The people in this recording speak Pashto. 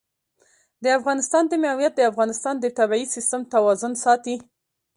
د افغانستان د موقعیت د افغانستان د طبعي سیسټم توازن ساتي.